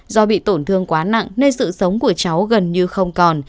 do bị tổn thương quá nặng nên sự sống của cháu gần như không còn